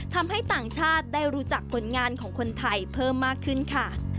ทำให้ต่างชาติได้รู้จักผลงานของคนไทยเพิ่มมากขึ้นค่ะ